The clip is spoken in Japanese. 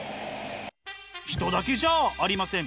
人だけじゃありません。